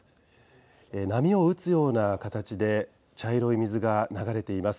波を打つような形で茶色い水が流れています。